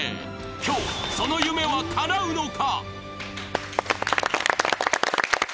今日、その夢はかなうのか？